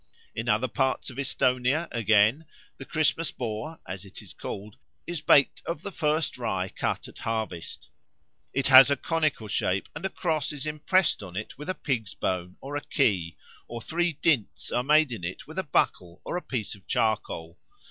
In other parts of Esthonia, again, the Christmas Boar, as it is called, is baked of the first rye cut at harvest; it has a conical shape and a cross is impressed on it with a pig's bone or a key, or three dints are made in it with a buckle or a piece of charcoal.